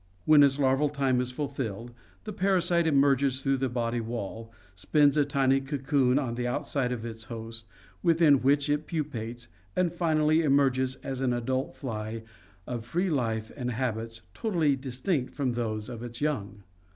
When its larval time is fulfilled, the parasite emerges through the body wall, spins a tiny cocoon on the outside of its host, within which it pupates, and finally emerges as an adult fly of free life and habits totally distinct from those of its young.